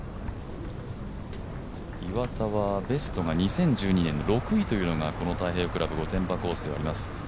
岩田はベストが２０１２年６位というのがこの太平洋クラブ御殿場コースであります。